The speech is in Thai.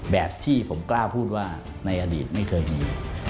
แบบที่ผมกล้าพูดว่าในอดีตไม่เคยมี